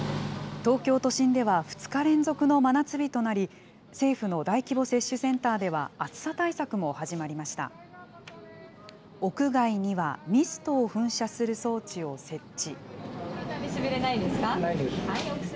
東京都心では２日連続の真夏日となり、政府の大規模接種センターでは暑さ対策も始まりました。